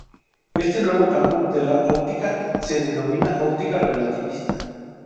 Este nuevo campo de la óptica se denomina óptica relativista.